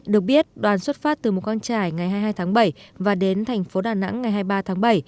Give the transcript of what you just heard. được biết đoàn xuất phát từ mù căng trải ngày hai mươi hai tháng bảy và đến thành phố đà nẵng ngày hai mươi ba tháng bảy